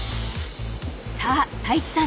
［さあ太一さん